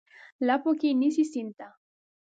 لپو کې نیسي سیند ته،